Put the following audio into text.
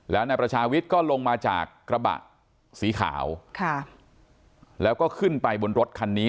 แล้วนายประชาวิทย์ก็ลงมาจากกระบะสีขาวค่ะแล้วก็ขึ้นไปบนรถคันนี้